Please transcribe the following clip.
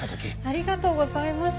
ありがとうございます。